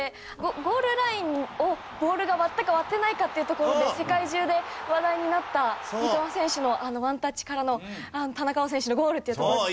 ゴールラインをボールが割ったか割ってないかっていうところで世界中で話題になった三笘選手のあのワンタッチからの田中碧選手のゴールっていうところですよね。